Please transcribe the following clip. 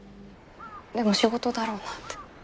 でも仕事だろうなって。